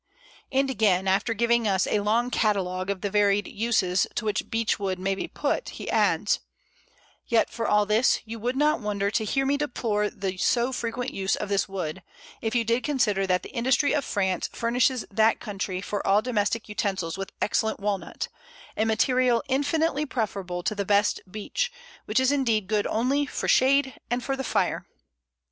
And, again, after giving us a long catalogue of the varied uses to which Beechwood may be put, he adds "Yet for all this, you would not wonder to hear me deplore the so frequent use of this wood, if you did consider that the industry of France furnishes that country for all domestic utensils with excellent Walnut, a material infinitely preferable to the best Beech, which is indeed good only for shade and for the fire."